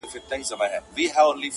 پلار نیکه مي دا تخمونه دي کرلي-